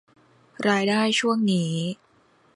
รายได้ช่วงนี้